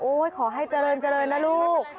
โอ้ยขอให้เจริญนะลูก